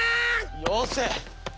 よせ。